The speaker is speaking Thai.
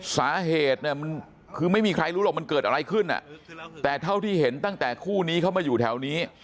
สาเหตุเนี่ยมันคือไม่มีใครรู้หรอกมันเกิดอะไรขึ้นแต่เท่าที่เห็นตั้งแต่คู่นี้เขามาอยู่แถวนี้